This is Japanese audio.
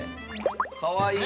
かわいい。